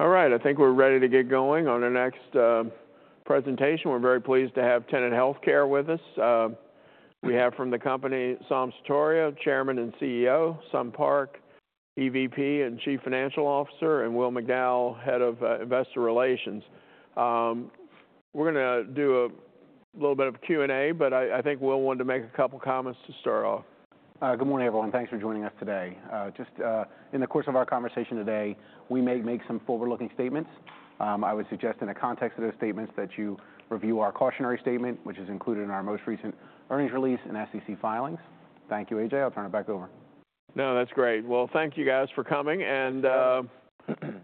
All right, I think we're ready to get going on the next presentation. We're very pleased to have Tenet Healthcare with us. We have from the company, Saum Sutaria, Chairman and CEO, Sun Park, EVP and Chief Financial Officer, and Will McDowell, Head of Investor Relations. We're gonna do a little bit of Q&A, but I think Will wanted to make a couple comments to start off. Good morning, everyone. Thanks for joining us today. Just, in the course of our conversation today, we may make some forward-looking statements. I would suggest in the context of those statements that you review our cautionary statement, which is included in our most recent earnings release and SEC filings. Thank you, A.J.. I'll turn it back over. No, that's great. Thank you guys for coming. It's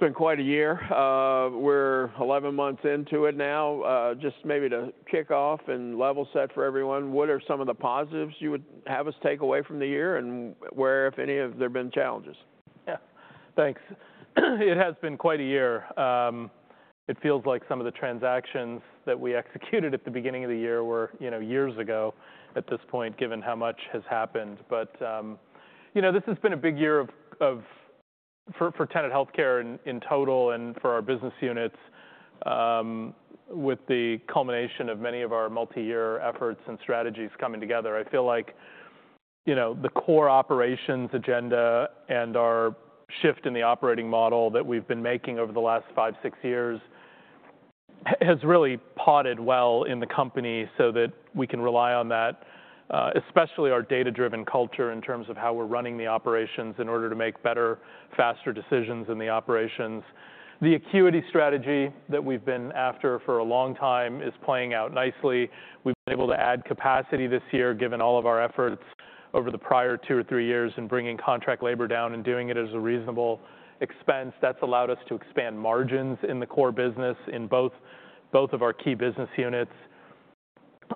been quite a year. We're 11 months into it now. Just maybe to kick off and level set for everyone, what are some of the positives you would have us take away from the year and where, if any, have there been challenges? Yeah, thanks. It has been quite a year. It feels like some of the transactions that we executed at the beginning of the year were, you know, years ago at this point, given how much has happened. But, you know, this has been a big year for Tenet Healthcare in total and for our business units, with the culmination of many of our multi-year efforts and strategies coming together. I feel like, you know, the core operations agenda and our shift in the operating model that we've been making over the last five, six years has really paid off well in the company so that we can rely on that, especially our data-driven culture in terms of how we're running the operations in order to make better, faster decisions in the operations. The acuity strategy that we've been after for a long time is playing out nicely. We've been able to add capacity this year, given all of our efforts over the prior two or three years in bringing contract labor down and doing it as a reasonable expense. That's allowed us to expand margins in the core business in both of our key business units.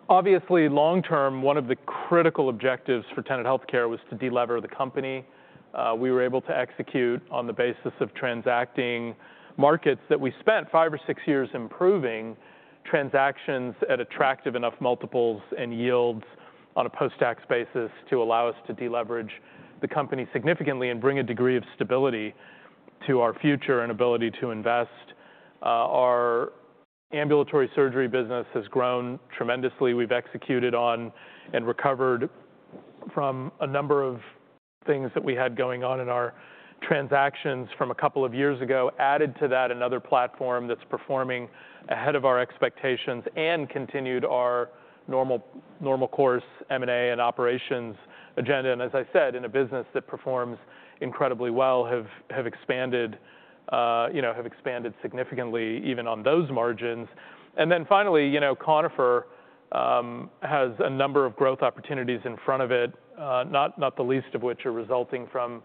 Obviously, long term, one of the critical objectives for Tenet Healthcare was to delever the company. We were able to execute on the basis of transacting markets that we spent five or six years improving transactions at attractive enough multiples and yields on a post-tax basis to allow us to deleverage the company significantly and bring a degree of stability to our future and ability to invest. Our ambulatory surgery business has grown tremendously. We've executed on and recovered from a number of things that we had going on in our transactions from a couple of years ago, added to that another platform that's performing ahead of our expectations and continued our normal course M&A and operations agenda. And as I said, in a business that performs incredibly well, have expanded, you know, significantly even on those margins. And then finally, you know, Conifer has a number of growth opportunities in front of it, not the least of which are resulting from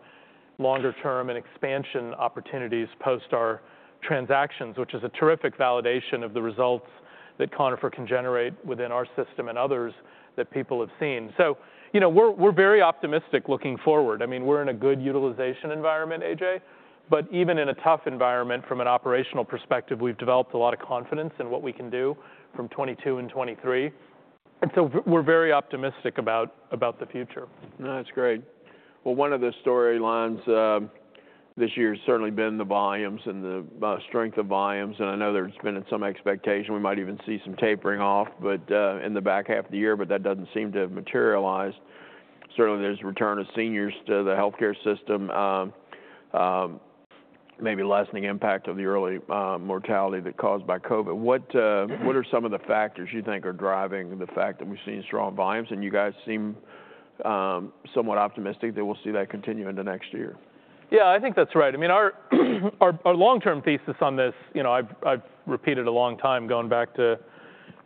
longer-term and expansion opportunities post our transactions, which is a terrific validation of the results that Conifer can generate within our system and others that people have seen. So, you know, we're very optimistic looking forward. I mean, we're in a good utilization environment, A.J., but even in a tough environment from an operational perspective, we've developed a lot of confidence in what we can do from 2022 and 2023, and so we're very optimistic about the future. No, that's great. Well, one of the storylines this year has certainly been the volumes and the strength of volumes. I know there's been some expectation we might even see some tapering off in the back half of the year, but that doesn't seem to have materialized. Certainly, there's return of seniors to the healthcare system, maybe lessening impact of the early mortality that caused by COVID. What are some of the factors you think are driving the fact that we've seen strong volumes? You guys seem somewhat optimistic that we'll see that continue into next year. Yeah, I think that's right. I mean, our long-term thesis on this, you know, I've repeated a long time going back to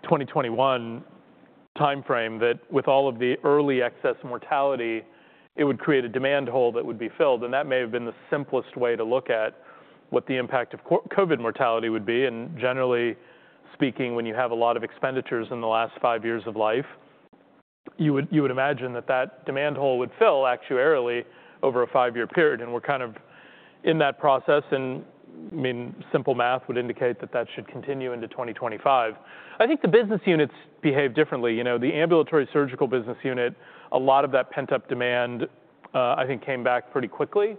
2021 timeframe that with all of the early excess mortality, it would create a demand hole that would be filled, and that may have been the simplest way to look at what the impact of COVID mortality would be, and generally speaking, when you have a lot of expenditures in the last five years of life, you would imagine that demand hole would fill actuarially over a five-year period, and we're kind of in that process, and I mean, simple math would indicate that that should continue into 2025. I think the business units behave differently. You know, the ambulatory surgical business unit, a lot of that pent-up demand, I think came back pretty quickly.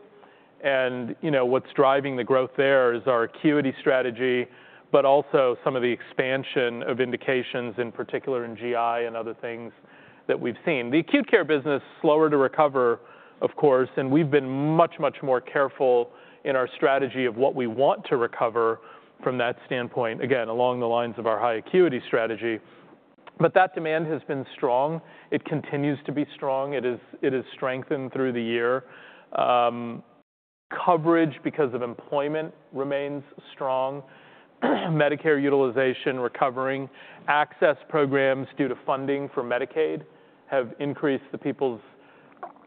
You know, what's driving the growth there is our acuity strategy, but also some of the expansion of indications, in particular in GI and other things that we've seen. The acute care business is slower to recover, of course, and we've been much, much more careful in our strategy of what we want to recover from that standpoint, again, along the lines of our high acuity strategy. That demand has been strong. It continues to be strong. It is strengthened through the year. Coverage because of employment remains strong. Medicare utilization recovering. Access programs due to funding for Medicaid have increased the people's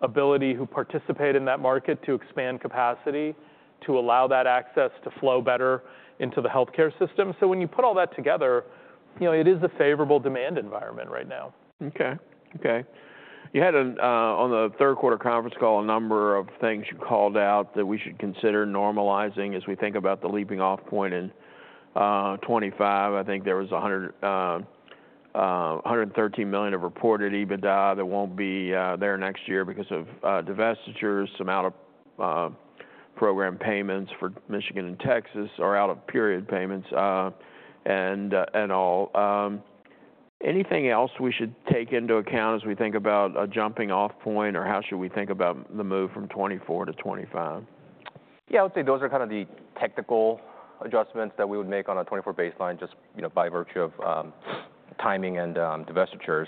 ability who participate in that market to expand capacity to allow that access to flow better into the healthcare system. When you put all that together, you know, it is a favorable demand environment right now. Okay. Okay. You had an, on the third quarter conference call, a number of things you called out that we should consider normalizing as we think about the leaping off point in, 2025. I think there was a hundred, $113 million of reported EBITDA that won't be, there next year because of, divestitures, some out of, program payments for Michigan and Texas or out of period payments, and, and all. Anything else we should take into account as we think about a jumping off point or how should we think about the move from 2024 to 2025? Yeah, I would say those are kind of the technical adjustments that we would make on a 2024 baseline, just, you know, by virtue of timing and divestitures,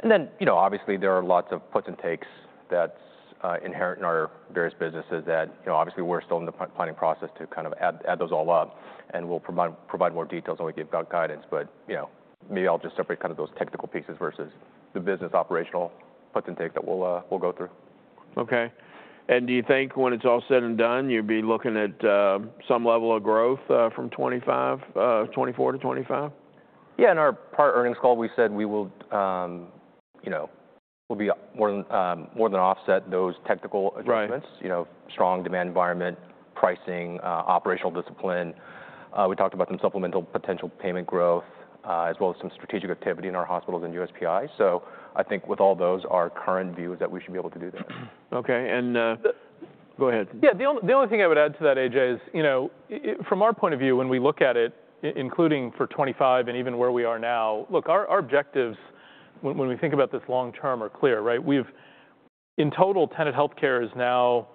and then, you know, obviously there are lots of puts and takes that's inherent in our various businesses that, you know, obviously we're still in the planning process to kind of add those all up and we'll provide more details when we give guidance, but, you know, maybe I'll just separate kind of those technical pieces versus the business operational puts and takes that we'll go through. Okay. And do you think when it's all said and done, you'd be looking at some level of growth from 2024 to 2025? Yeah. In our Q1 earnings call, we said we will, you know, we'll be more than offset those technical adjustments. Right. You know, strong demand environment, pricing, operational discipline. We talked about some supplemental potential payment growth, as well as some strategic activity in our hospitals and USPI. So I think with all those, our current view is that we should be able to do that. Okay, and go ahead. Yeah. The only thing I would add to that, A.J., is, you know, from our point of view, when we look at it, including for 2025 and even where we are now, look, our objectives when we think about this long term are clear, right? We've in total, Tenet Healthcare is now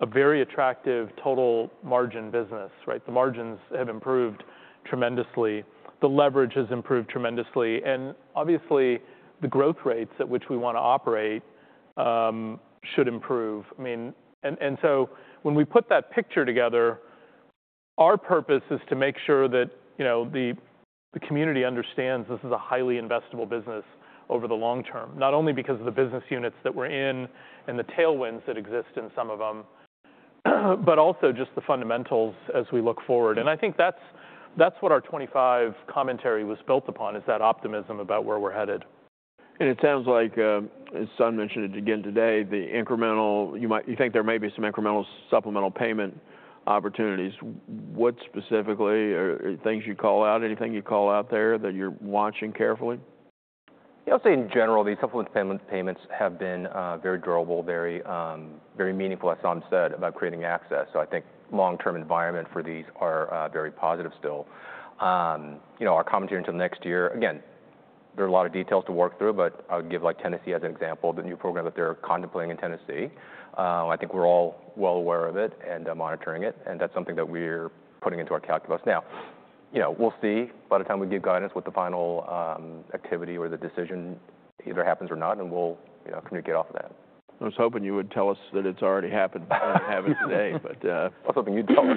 a very attractive total margin business, right? The margins have improved tremendously. The leverage has improved tremendously. And obviously the growth rates at which we want to operate should improve. I mean, and so when we put that picture together, our purpose is to make sure that, you know, the community understands this is a highly investable business over the long term, not only because of the business units that we're in and the tailwinds that exist in some of them, but also just the fundamentals as we look forward. I think that's, that's what our 2025 commentary was built upon is that optimism about where we're headed. And it sounds like, as Sun mentioned it again today, the incremental, you might, you think there may be some incremental supplemental payment opportunities. What specifically are things you call out, anything you call out there that you're watching carefully? Yeah, I'll say in general, these supplemental payments have been very durable, very, very meaningful. As he said about creating access. So I think long-term environment for these are very positive still. You know, our commentary until next year, again, there are a lot of details to work through, but I'll give like Tennessee as an example, the new program that they're contemplating in Tennessee. I think we're all well aware of it and monitoring it. And that's something that we're putting into our calculus. Now, you know, we'll see by the time we give guidance what the final activity or the decision either happens or not, and we'll you know, communicate off of that. I was hoping you would tell us that it's already happened and have it today, but. I was hoping you'd tell us.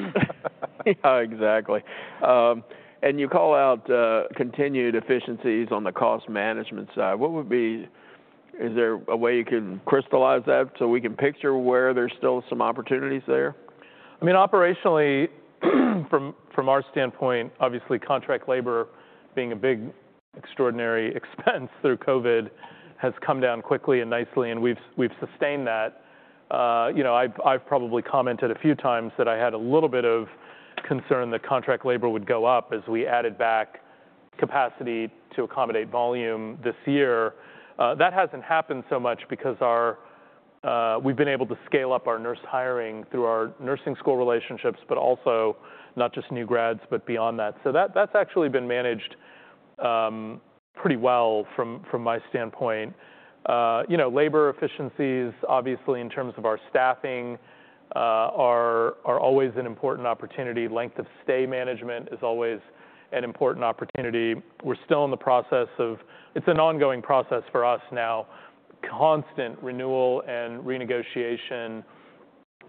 Yeah, exactly, and you call out continued efficiencies on the cost management side. What would be, is there a way you can crystallize that so we can picture where there's still some opportunities there? I mean, operationally, from our standpoint, obviously contract labor being a big extraordinary expense through COVID has come down quickly and nicely, and we've sustained that. You know, I've probably commented a few times that I had a little bit of concern that contract labor would go up as we added back capacity to accommodate volume this year. That hasn't happened so much because we've been able to scale up our nurse hiring through our nursing school relationships, but also not just new grads, but beyond that. So that's actually been managed pretty well from my standpoint. You know, labor efficiencies, obviously in terms of our staffing, are always an important opportunity. Length of stay management is always an important opportunity. We're still in the process of; it's an ongoing process for us now, constant renewal and renegotiation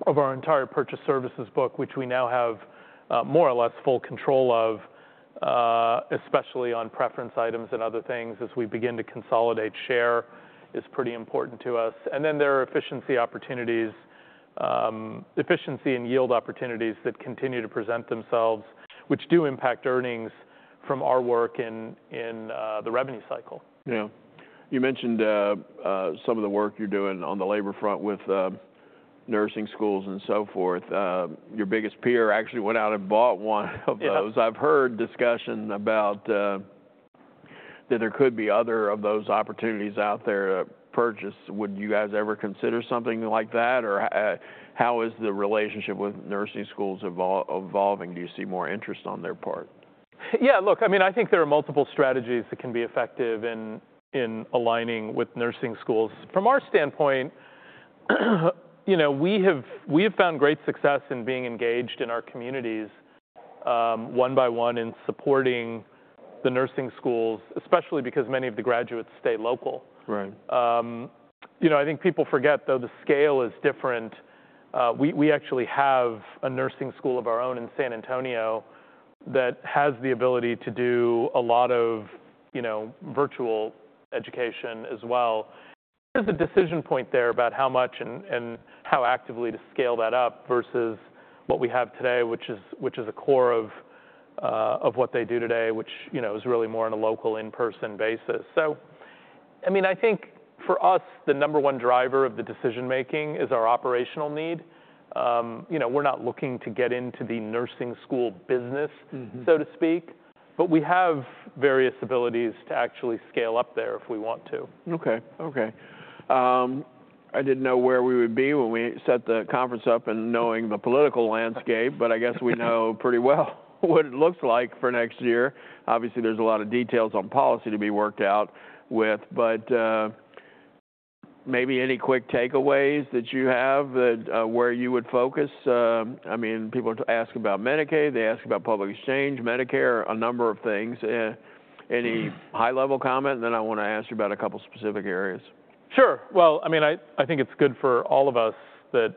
of our entire purchased services book, which we now have more or less full control of, especially on preference items and other things as we begin to consolidate. Share is pretty important to us, and then there are efficiency opportunities, efficiency and yield opportunities that continue to present themselves, which do impact earnings from our work in the revenue cycle. Yeah. You mentioned some of the work you're doing on the labor front with nursing schools and so forth. Your biggest peer actually went out and bought one of those. I've heard discussion about that there could be other of those opportunities out there to purchase. Would you guys ever consider something like that? Or how is the relationship with nursing schools evolving? Do you see more interest on their part? Yeah, look, I mean, I think there are multiple strategies that can be effective in aligning with nursing schools. From our standpoint, you know, we have found great success in being engaged in our communities, one by one in supporting the nursing schools, especially because many of the graduates stay local. Right. You know, I think people forget though the scale is different. We actually have a nursing school of our own in San Antonio that has the ability to do a lot of, you know, virtual education as well. There's a decision point there about how much and how actively to scale that up versus what we have today, which is a core of what they do today, which, you know, is really more on a local in-person basis, so I mean, I think for us, the number one driver of the decision-making is our operational need. You know, we're not looking to get into the nursing school business, so to speak, but we have various abilities to actually scale up there if we want to. Okay. Okay. I didn't know where we would be when we set the conference up and knowing the political landscape, but I guess we know pretty well what it looks like for next year. Obviously, there's a lot of details on policy to be worked out with, but maybe any quick takeaways that you have that, where you would focus? I mean, people ask about Medicaid, they ask about public exchange, Medicare, a number of things. Any high-level comment? Then I want to ask you about a couple specific areas. Sure. Well, I mean, I think it's good for all of us that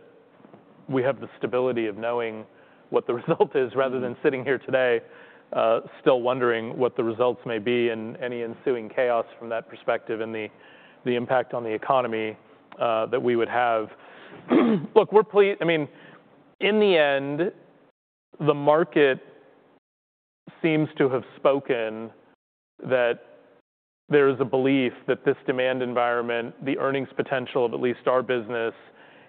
we have the stability of knowing what the result is rather than sitting here today, still wondering what the results may be and any ensuing chaos from that perspective and the impact on the economy that we would have. Look, we're pleased. I mean, in the end, the market seems to have spoken that there is a belief that this demand environment, the earnings potential of at least our business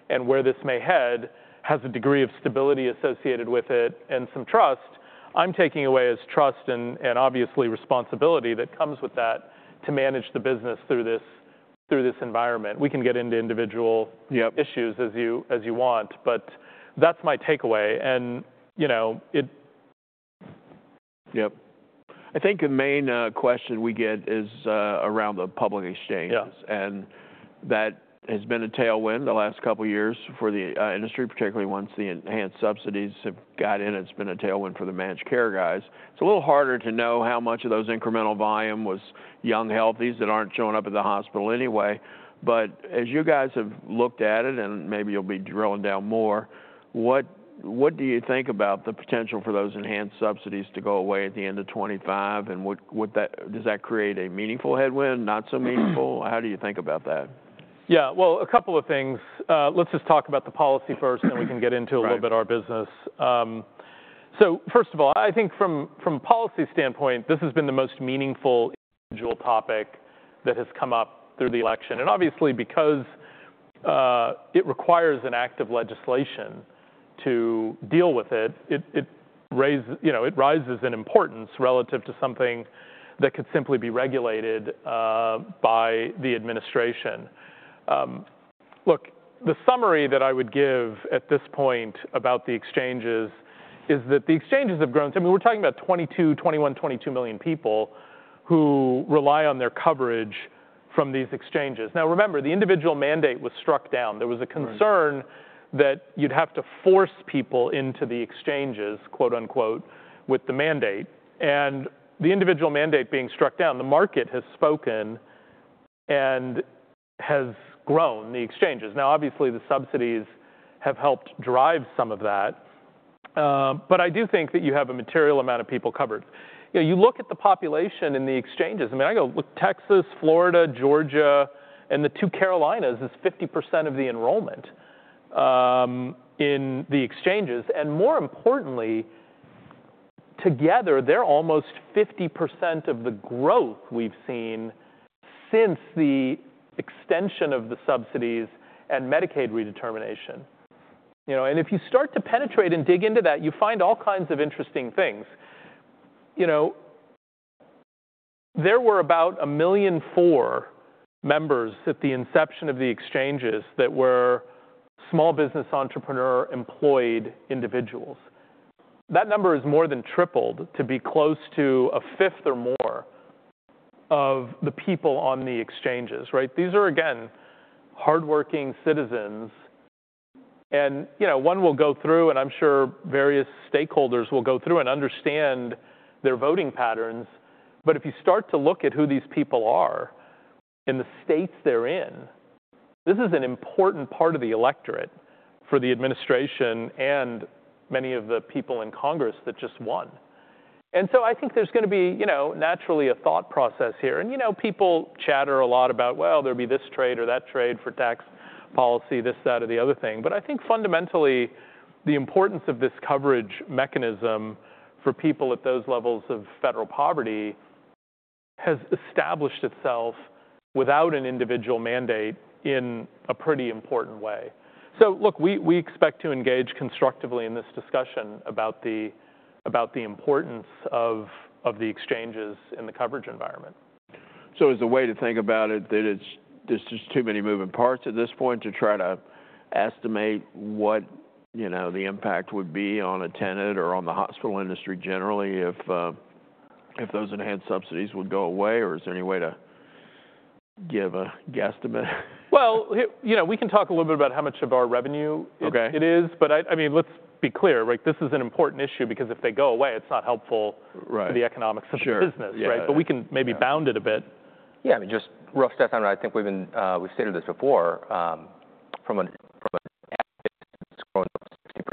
and where this may head has a degree of stability associated with it and some trust. I'm taking away as trust and obviously responsibility that comes with that to manage the business through this environment. We can get into individual. Yep. Issues as you want, but that's my takeaway. And, you know, it. Yep. I think the main question we get is around the public exchange. Yes. And that has been a tailwind the last couple years for the industry, particularly once the enhanced subsidies have got in. It's been a tailwind for the managed care guys. It's a little harder to know how much of those incremental volume was young healthies that aren't showing up at the hospital anyway. But as you guys have looked at it, and maybe you'll be drilling down more, what do you think about the potential for those enhanced subsidies to go away at the end of 2025? And would that, does that create a meaningful headwind, not so meaningful? How do you think about that? Yeah. Well, a couple of things. Let's just talk about the policy first and we can get into a little bit of our business. So first of all, I think from a policy standpoint, this has been the most meaningful individual topic that has come up through the election. And obviously because it requires an act of legislation to deal with it, it raises, you know, it rises in importance relative to something that could simply be regulated by the administration. Look, the summary that I would give at this point about the exchanges is that the exchanges have grown. I mean, we're talking about 21, 22 million people who rely on their coverage from these exchanges. Now, remember, the individual mandate was struck down. There was a concern that you'd have to force people into the exchanges, quote unquote, with the mandate. And the individual mandate being struck down, the market has spoken and has grown the exchanges. Now, obviously the subsidies have helped drive some of that, but I do think that you have a material amount of people covered. You know, you look at the population in the exchanges. I mean, I go look at Texas, Florida, Georgia, and the two Carolinas, which is 50% of the enrollment in the exchanges. And more importantly, together, they're almost 50% of the growth we've seen since the extension of the subsidies and Medicaid redetermination. You know, and if you start to penetrate and dig into that, you find all kinds of interesting things. You know, there were about 1.4 million members at the inception of the exchanges that were small business entrepreneur employed individuals. That number is more than tripled to be close to a fifth or more of the people on the exchanges, right? These are again, hardworking citizens. And, you know, one will go through, and I'm sure various stakeholders will go through and understand their voting patterns. But if you start to look at who these people are in the states they're in, this is an important part of the electorate for the administration and many of the people in Congress that just won. And so I think there's going to be, you know, naturally a thought process here. And, you know, people chatter a lot about, well, there'll be this trade or that trade for tax policy, this, that, or the other thing. But I think fundamentally the importance of this coverage mechanism for people at those levels of federal poverty has established itself without an individual mandate in a pretty important way. So look, we expect to engage constructively in this discussion about the importance of the exchanges in the coverage environment. So is the way to think about it that it's, there's just too many moving parts at this point to try to estimate what, you know, the impact would be on a Tenet or on the hospital industry generally if those enhanced subsidies would go away or is there any way to give a guesstimate? Well, you know, we can talk a little bit about how much of our revenue. Okay. It is, but I, I mean, let's be clear, right? This is an important issue because if they go away, it's not helpful. Right. For the economics of the business, right? But we can maybe bound it a bit. Yeah. I mean, just rough stats on, I think we've been, we've stated this before, from a growth of 60%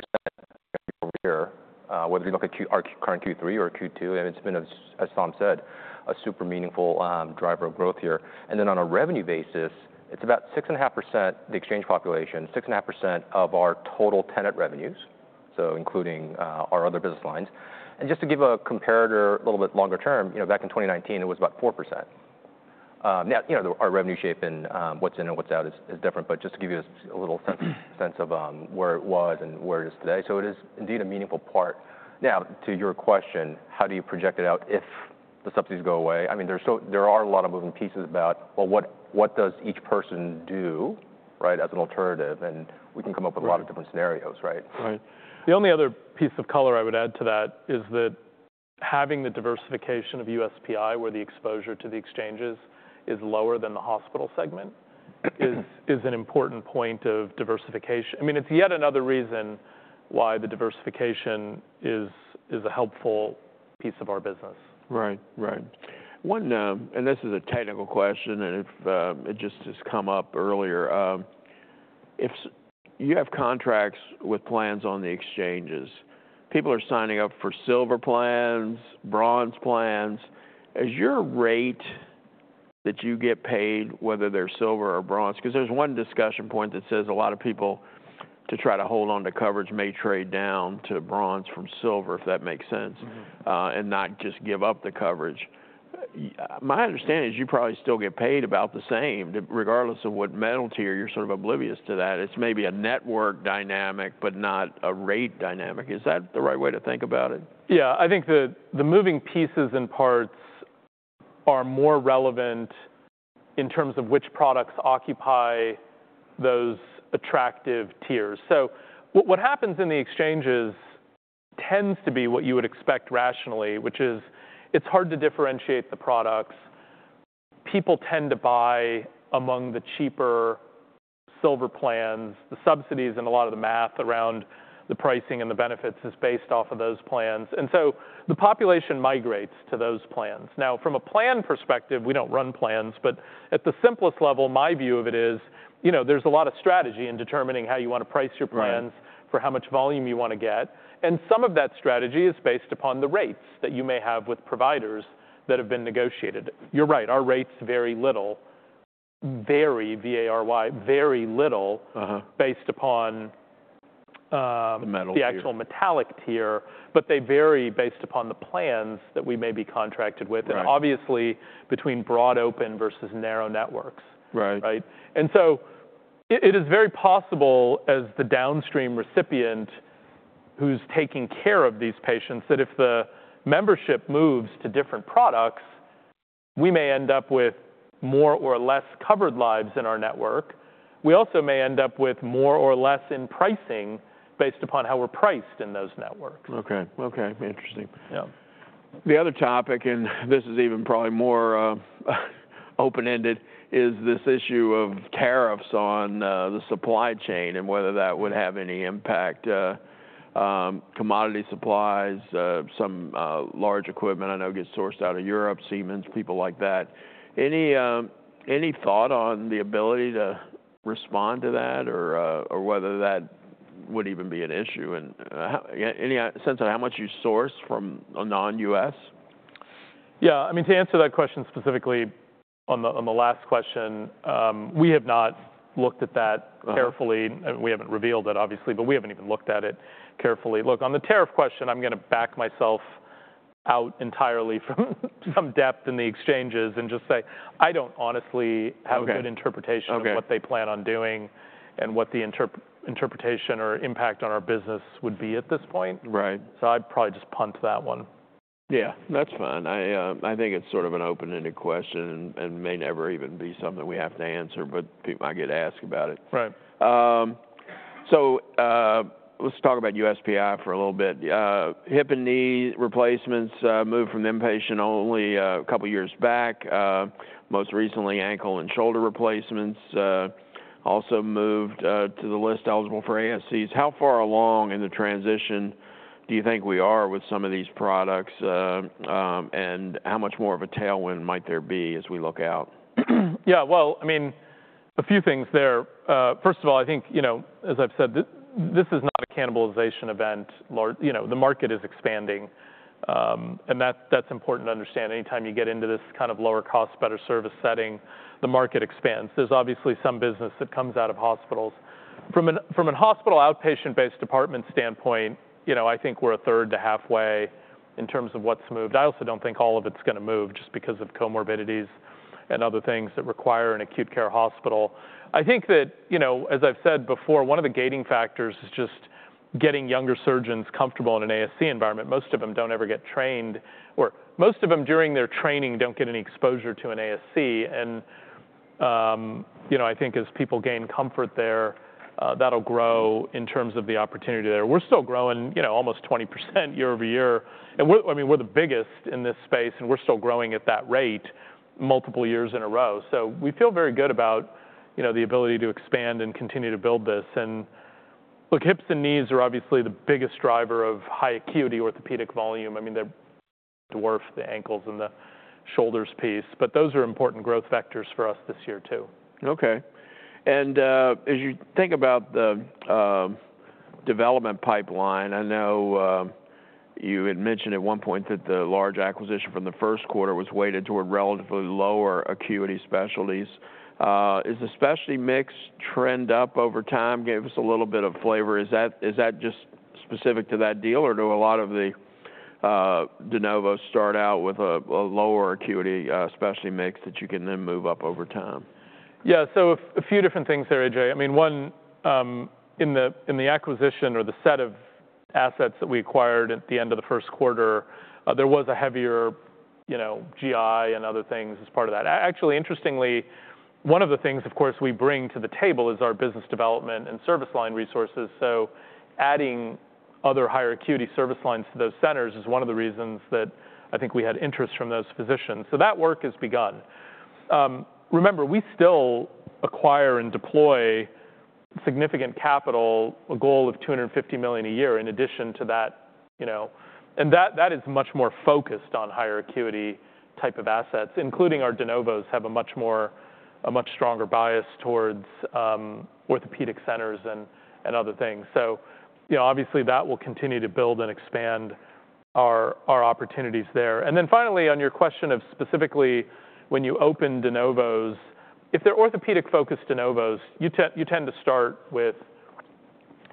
year-over-year, whether you look at Q, our current Q3 or Q2, and it's been a, as Sun said, a super meaningful driver of growth here. And then on a revenue basis, it's about 6.5%, the exchange population, 6.5% of our total Tenet revenues. So including our other business lines. And just to give a comparator a little bit longer term, you know, back in 2019, it was about 4%. Now, you know, our revenue shape and what's in and what's out is different, but just to give you a little sense of where it was and where it is today. So it is indeed a meaningful part. Now, to your question, how do you project it out if the subsidies go away? I mean, there are a lot of moving pieces about, well, what does each person do, right, as an alternative? And we can come up with a lot of different scenarios, right? Right. The only other piece of color I would add to that is that having the diversification of USPI where the exposure to the exchanges is lower than the hospital segment is an important point of diversification. I mean, it's yet another reason why the diversification is a helpful piece of our business. Right. Right. One, and this is a technical question and if it just has come up earlier, if you have contracts with plans on the exchanges, people are signing up for Silver plans, Bronze plans. Is your rate that you get paid, whether they're Silver or Bronze, because there's one discussion point that says a lot of people to try to hold on to coverage may trade down to Bronze from Silver, if that makes sense, and not just give up the coverage. My understanding is you probably still get paid about the same regardless of what metal tier. You're sort of oblivious to that. It's maybe a network dynamic, but not a rate dynamic. Is that the right way to think about it? Yeah. I think the moving pieces and parts are more relevant in terms of which products occupy those attractive tiers. So what happens in the exchanges tends to be what you would expect rationally, which is it's hard to differentiate the products. People tend to buy among the cheaper Silver plans. The subsidies and a lot of the math around the pricing and the benefits is based off of those plans. And so the population migrates to those plans. Now, from a plan perspective, we don't run plans, but at the simplest level, my view of it is, you know, there's a lot of strategy in determining how you want to price your plans for how much volume you want to get. And some of that strategy is based upon the rates that you may have with providers that have been negotiated. You're right. Our rates vary little, vary, V-A-R-Y, very little based upon the actual metallic tier, but they vary based upon the plans that we may be contracted with, and obviously between broad open versus narrow networks. Right. Right? And so it is very possible as the downstream recipient who's taking care of these patients that if the membership moves to different products, we may end up with more or less covered lives in our network. We also may end up with more or less in pricing based upon how we're priced in those networks. Okay. Okay. Interesting. Yeah. The other topic, and this is even probably more open-ended, is this issue of tariffs on the supply chain and whether that would have any impact, commodity supplies, some large equipment I know gets sourced out of Europe, Siemens, people like that. Any thought on the ability to respond to that or whether that would even be an issue and how any sense of how much you source from a non-U.S.? Yeah. I mean, to answer that question specifically on the, on the last question, we have not looked at that carefully. We haven't revealed that obviously, but we haven't even looked at it carefully. Look, on the tariff question, I'm going to back myself out entirely from some depth in the exchanges and just say, I don't honestly have a good interpretation of what they plan on doing and what the interpretation or impact on our business would be at this point. Right. So I'd probably just punt that one. Yeah. That's fine. I think it's sort of an open-ended question and may never even be something we have to answer, but people might get asked about it. Right. So, let's talk about USPI for a little bit. Hip and knee replacements, moved from the inpatient only, a couple years back. Most recently, ankle and shoulder replacements, also moved, to the list eligible for ASCs. How far along in the transition do you think we are with some of these products, and how much more of a tailwind might there be as we look out? Yeah. Well, I mean, a few things there. First of all, I think, you know, as I've said, this is not a cannibalization event. Largely, you know, the market is expanding, and that, that's important to understand. Anytime you get into this kind of lower cost, better service setting, the market expands. There's obviously some business that comes out of hospitals. From an hospital outpatient-based department standpoint, you know, I think we're a third to halfway in terms of what's moved. I also don't think all of it's going to move just because of comorbidities and other things that require an acute care hospital. I think that, you know, as I've said before, one of the gating factors is just getting younger surgeons comfortable in an ASC environment. Most of them don't ever get trained or most of them during their training don't get any exposure to an ASC. And, you know, I think as people gain comfort there, that'll grow in terms of the opportunity there. We're still growing, you know, almost 20% year-over-year. And we're, I mean, we're the biggest in this space and we're still growing at that rate multiple years in a row. So we feel very good about, you know, the ability to expand and continue to build this. And look, hips and knees are obviously the biggest driver of high acuity orthopedic volume. I mean, they dwarf the ankles and the shoulders piece, but those are important growth vectors for us this year too. Okay. And as you think about the development pipeline, I know you had mentioned at one point that the large acquisition from the first quarter was weighted toward relatively lower acuity specialties. Is the specialty mix trend up over time? Give us a little bit of flavor. Is that, is that just specific to that deal or do a lot of the de novo start out with a lower acuity specialty mix that you can then move up over time? Yeah. So a few different things there, A.J.. I mean, one, in the acquisition or the set of assets that we acquired at the end of the first quarter, there was a heavier, you know, GI and other things as part of that. Actually, interestingly, one of the things, of course, we bring to the table is our business development and service line resources. So adding other higher acuity service lines to those centers is one of the reasons that I think we had interest from those physicians. So that work has begun. Remember, we still acquire and deploy significant capital, a goal of $250 million a year in addition to that, you know, and that, that is much more focused on higher acuity type of assets, including our de novos have a much more, a much stronger bias towards, orthopedic centers and, and other things. You know, obviously that will continue to build and expand our opportunities there. Then finally, on your question of specifically when you open de novos, if they're orthopedic focused de novos, you tend to start with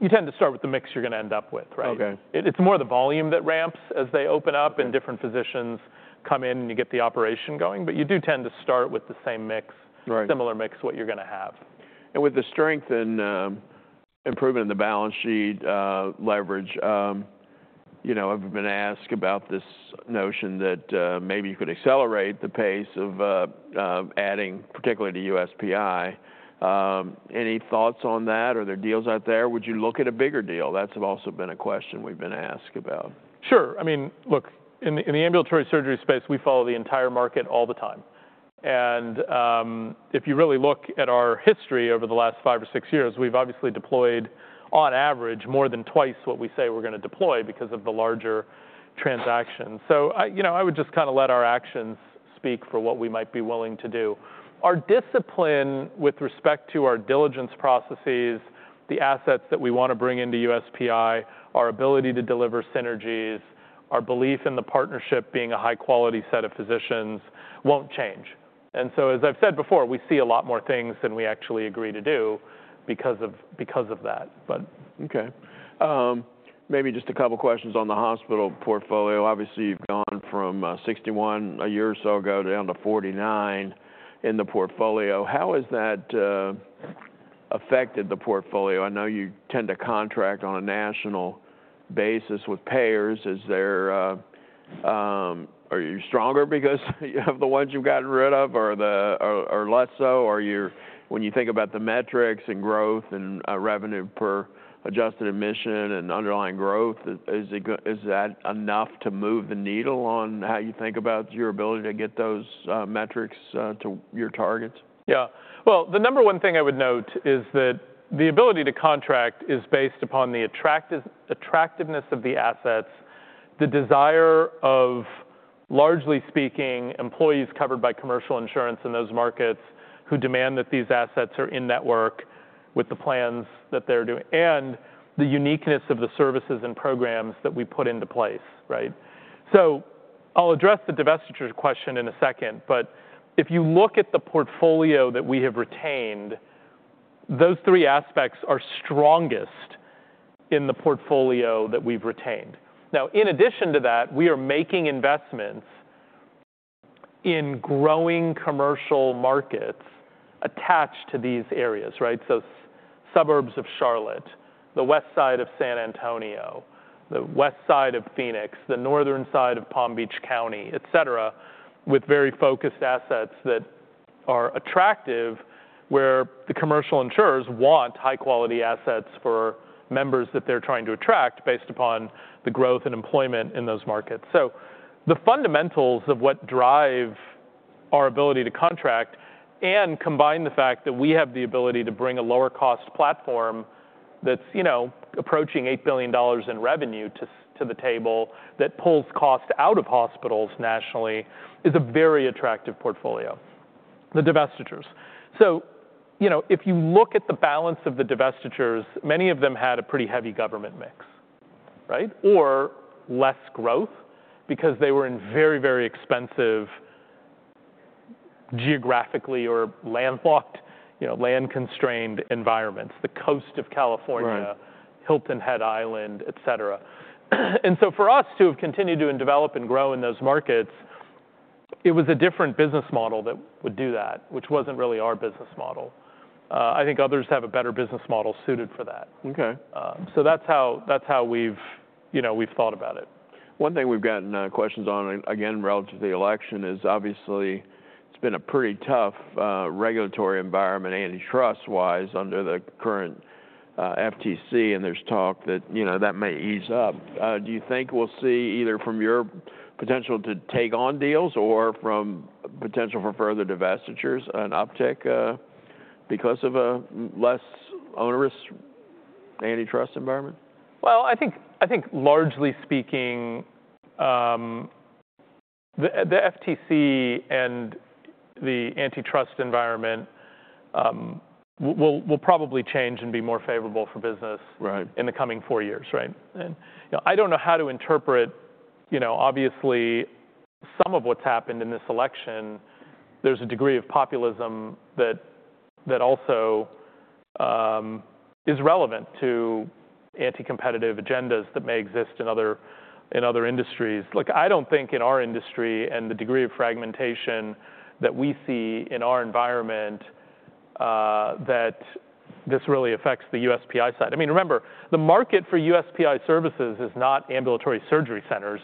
the mix you're going to end up with, right? Okay. It's more the volume that ramps as they open up and different physicians come in and you get the operation going, but you do tend to start with the same mix, similar mix what you're going to have. With the strength and improvement in the balance sheet, leverage, you know, I've been asked about this notion that maybe you could accelerate the pace of adding particularly to USPI. Any thoughts on that or there are deals out there? Would you look at a bigger deal? That's also been a question we've been asked about. Sure. I mean, look, in the ambulatory surgery space, we follow the entire market all the time. And, if you really look at our history over the last five or six years, we've obviously deployed on average more than twice what we say we're going to deploy because of the larger transaction. So, you know, I would just kind of let our actions speak for what we might be willing to do. Our discipline with respect to our diligence processes, the assets that we want to bring into USPI, our ability to deliver synergies, our belief in the partnership being a high quality set of physicians won't change. And so, as I've said before, we see a lot more things than we actually agree to do because of that. But. Okay. Maybe just a couple of questions on the hospital portfolio. Obviously, you've gone from 61 a year or so ago down to 49 in the portfolio. How has that affected the portfolio? I know you tend to contract on a national basis with payers. Is there, are you stronger because you have the ones you've gotten rid of or the, or, or less so? Are you, when you think about the metrics and growth and revenue per adjusted admission and underlying growth, is it, is that enough to move the needle on how you think about your ability to get those metrics to your targets? Yeah. Well, the number one thing I would note is that the ability to contract is based upon the attractiveness of the assets, the desire of, largely speaking, employees covered by commercial insurance in those markets who demand that these assets are in network with the plans that they're doing and the uniqueness of the services and programs that we put into place, right? So I'll address the divestiture question in a second, but if you look at the portfolio that we have retained, those three aspects are strongest in the portfolio that we've retained. Now, in addition to that, we are making investments in growing commercial markets attached to these areas, right? So suburbs of Charlotte, the west side of San Antonio, the west side of Phoenix, the northern side of Palm Beach County, et cetera, with very focused assets that are attractive where the commercial insurers want high quality assets for members that they're trying to attract based upon the growth and employment in those markets. So the fundamentals of what drive our ability to contract and combine the fact that we have the ability to bring a lower cost platform that's, you know, approaching $8 billion in revenue to the table that pulls cost out of hospitals nationally is a very attractive portfolio. The divestitures. So, you know, if you look at the balance of the divestitures, many of them had a pretty heavy government mix, right? Or less growth because they were in very, very expensive geographically or landlocked, you know, land constrained environments, the coast of California, Hilton Head Island, et cetera. And so for us to have continued to develop and grow in those markets, it was a different business model that would do that, which wasn't really our business model. I think others have a better business model suited for that. Okay. So that's how, that's how we've, you know, we've thought about it. One thing we've gotten questions on again relative to the election is obviously it's been a pretty tough regulatory environment antitrust-wise under the current FTC. And there's talk that, you know, that may ease up. Do you think we'll see either from your potential to take on deals or from potential for further divestitures and uptake, because of a less onerous antitrust environment? I think largely speaking, the FTC and the antitrust environment will probably change and be more favorable for business in the coming four years, right? And I don't know how to interpret, you know, obviously some of what's happened in this election. There's a degree of populism that also is relevant to anti-competitive agendas that may exist in other industries. Look, I don't think in our industry and the degree of fragmentation that we see in our environment, that this really affects the USPI side. I mean, remember the market for USPI services is not ambulatory surgery centers.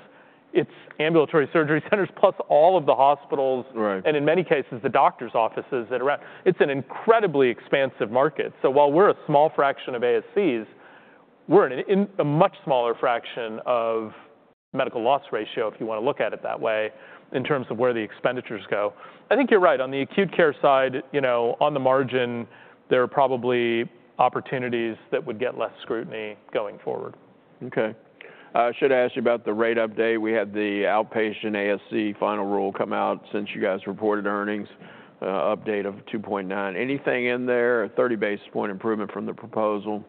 It's ambulatory surgery centers plus all of the hospitals and in many cases the doctor's offices that are around. It's an incredibly expansive market. So while we're a small fraction of ASCs, we're in a much smaller fraction of medical loss ratio if you want to look at it that way in terms of where the expenditures go. I think you're right on the acute care side, you know, on the margin, there are probably opportunities that would get less scrutiny going forward. Okay. Should I ask you about the rate update? We had the outpatient ASC final rule come out since you guys reported earnings, update of 2.9%. Anything in there, 30 basis points improvement from the proposal?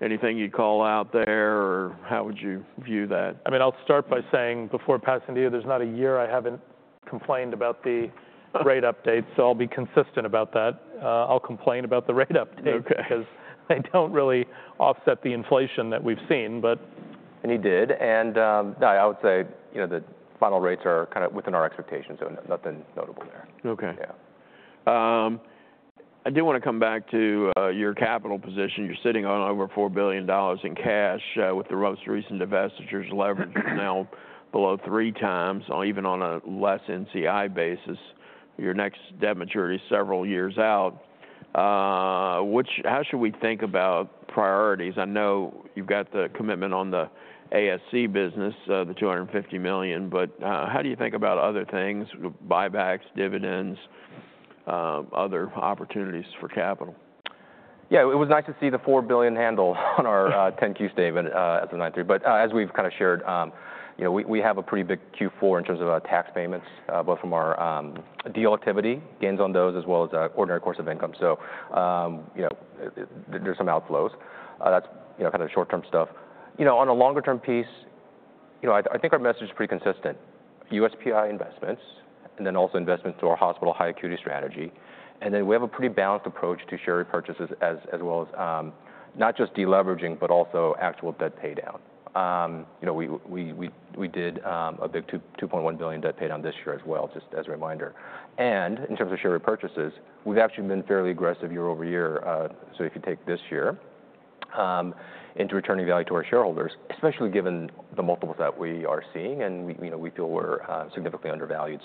Anything you'd call out there or how would you view that? I mean, I'll start by saying before passing to you, there's not a year I haven't complained about the rate update. So I'll be consistent about that. I'll complain about the rate update because they don't really offset the inflation that we've seen, but. He did. I would say, you know, the final rates are kind of within our expectations. Nothing notable there. Okay. Yeah. I do want to come back to your capital position. You're sitting on over $4 billion in cash, with the most recent divestitures leveraged now below three times on even a less NCI basis. Your next debt maturity is several years out, which, how should we think about priorities? I know you've got the commitment on the ASC business, the $250 million, but, how do you think about other things, buybacks, dividends, other opportunities for capital? Yeah, it was nice to see the $4 billion handle on our 10-Q statement as of September 30. But as we've kind of shared, you know, we have a pretty big Q4 in terms of tax payments, both from our deal activity, gains on those as well as ordinary course of income. So you know, there's some outflows. That's you know, kind of short-term stuff. You know, on a longer-term piece, you know, I think our message is pretty consistent. USPI investments and then also investments to our hospital high acuity strategy. And then we have a pretty balanced approach to share repurchases as well as not just deleveraging, but also actual debt paydown. You know, we did a big $2.1 billion debt paydown this year as well, just as a reminder. In terms of share purchases, we've actually been fairly aggressive year-over-year. If you take this year into returning value to our shareholders, especially given the multiples that we are seeing and we, you know, we feel we're significantly undervalued.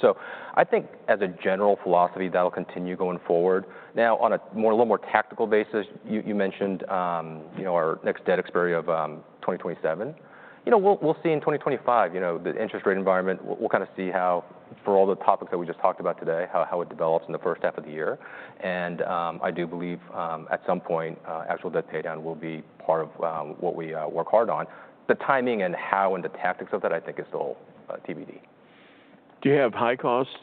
I think as a general philosophy, that'll continue going forward. Now, on a more, a little more tactical basis, you mentioned, you know, our next debt expiry of 2027. We'll see in 2025, you know, the interest rate environment. We'll kind of see how for all the topics that we just talked about today, how it develops in the first half of the year. I do believe at some point actual debt paydown will be part of what we work hard on. The timing and how and the tactics of that I think is still TBD. Do you have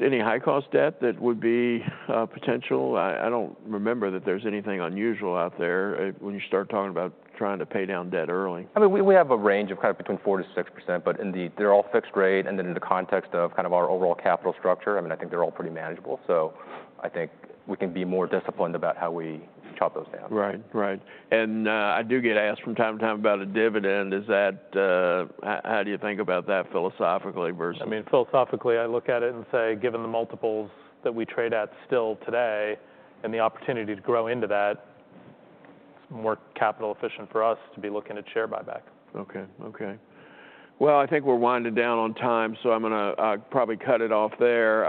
any high cost debt that would be potential? I don't remember that there's anything unusual out there when you start talking about trying to pay down debt early. I mean, we, we have a range of kind of between 4%-6%, but in the, they're all fixed rate and then in the context of kind of our overall capital structure. I mean, I think they're all pretty manageable. So I think we can be more disciplined about how we chop those down. Right. Right. And, I do get asked from time to time about a dividend. Is that, how do you think about that philosophically versus? I mean, philosophically, I look at it and say, given the multiples that we trade at still today and the opportunity to grow into that, it's more capital efficient for us to be looking at share buyback. Okay. Well, I think we're winding down on time. So I'm going to probably cut it off there.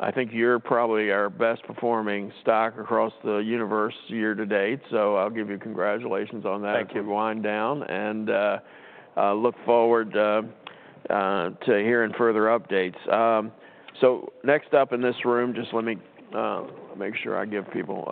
I think you're probably our best performing stock across the universe year to date. So I'll give you congratulations on that. Thank you. Wind down and look forward to hearing further updates. Next up in this room, just let me make sure I give people.